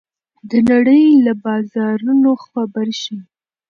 د نړۍ له بازارونو خبر شئ.